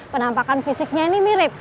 penampakan fisiknya ini mirip